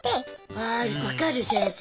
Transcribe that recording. わあわかる先生。